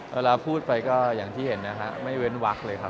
เวลาพูดไปก็อย่างที่เห็นนะฮะไม่เว้นวักเลยครับ